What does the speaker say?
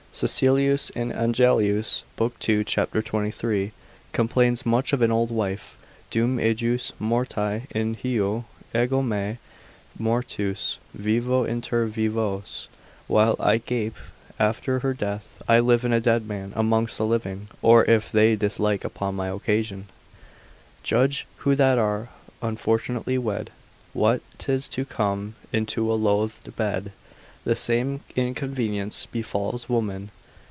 Cecilius in Agellius lib. 2. cap. 23, complains much of an old wife, dum ejus morti inhio, egomet mortuus vivo inter vivos, whilst I gape after her death, I live a dead man amongst the living, or if they dislike upon any occasion, Judge who that are unfortunately wed What 'tis to come into a loathed bed. The same inconvenience befalls women.